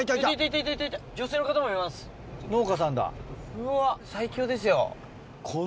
うわ最強ですよ。